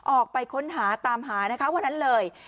ออกไปค้นหาตามหานะคะวันนั้นเลย